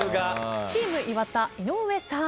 チーム岩田井上さん。